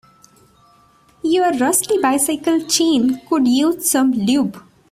Your rusty bicycle chain could use some lube.